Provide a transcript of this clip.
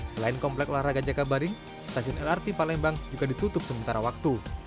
selain komplek olahraga jakabaring stasiun lrt palembang juga ditutup sementara waktu